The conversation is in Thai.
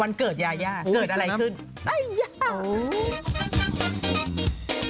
วันเกิดยาเกิดอะไรขึ้น